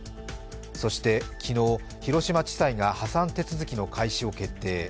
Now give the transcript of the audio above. そして昨日、広島地裁が破産手続きの開始を決定。